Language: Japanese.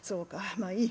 まあいい。